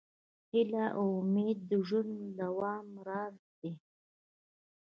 هیله او امید د ژوند د دوام راز دی.